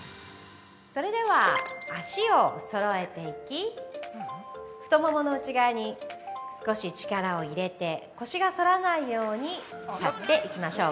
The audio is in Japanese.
◆それでは、足をそろえていき太ももの内側に少し力を入れて腰が反らないように立っていきましょう。